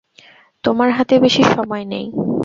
তোমার হাতে বেশি সময় নেই।